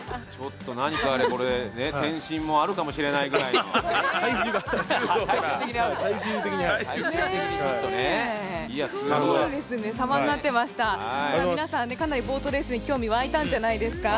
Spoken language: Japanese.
何か転身もあるかもしれないぐらいの体重が皆さん、かなりボートレースに興味がわいたんじゃないですか。